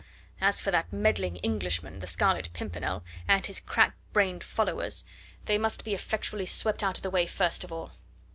As for that meddling Englishman, the Scarlet Pimpernel, and his crack brained followers, they must be effectually swept out of the way first of all.